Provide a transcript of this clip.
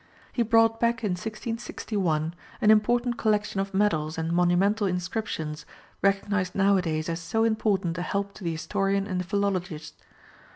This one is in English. He brought back in 1661 an important collection of medals and monumental inscriptions, recognized nowadays as so important a help to the historian and the philologist.